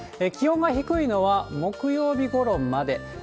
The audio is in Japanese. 気温が低いのは木曜日ごろまで。